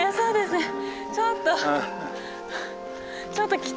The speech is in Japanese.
ちょっと。